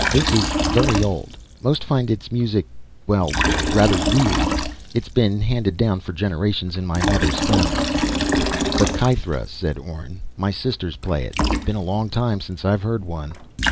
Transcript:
"This is very old. Most find its music ... well, rather weird. It's been handed down for generations in mother's family." "The kaithra," said Orne. "My sisters play it. Been a long time since I've heard one."